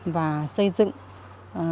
và xây dựng các nông nghiệp hàng hóa